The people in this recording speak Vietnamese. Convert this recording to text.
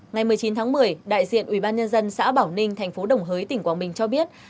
ngày một mươi chín tháng một mươi đại diện ubnd xã bảo ninh thành phố đồng hới tỉnh quảng bình cho biết